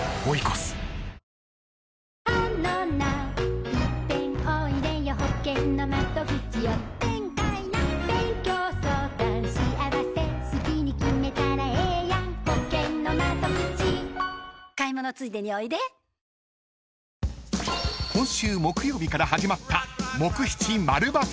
大空あおげ［今週木曜日から始まった］